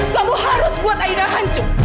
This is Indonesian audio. kamu harus buat aida hancur